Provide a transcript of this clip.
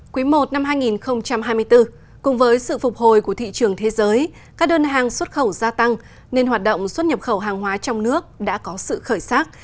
quý i năm hai nghìn hai mươi bốn cùng với sự phục hồi của thị trường thế giới các đơn hàng xuất khẩu gia tăng nên hoạt động xuất nhập khẩu hàng hóa trong nước đã có sự khởi sát